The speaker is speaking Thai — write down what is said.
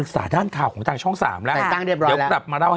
สะตวมเลยนะ